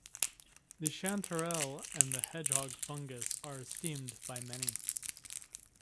The chanterelle and the hedgehog fungus are esteemed by many.